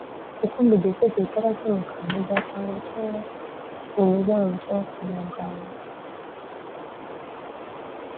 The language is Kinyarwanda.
kuko ngo igihe cyose bitarakemuka ntibyatanga ubutabera bunyuze mu mucyo ku wo bunganira